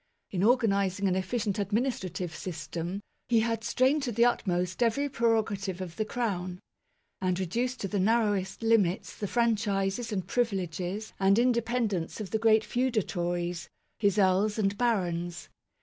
In organizing an efficient ad ministrative system, he had strained to the utmost every prerogative of the Crown, and reduced to the narrowest limits the franchises and privileges and independence of the great feudatories, his earls and barons.